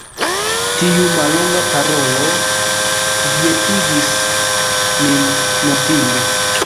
Tiu mallonga parolo kvietigis min notinde.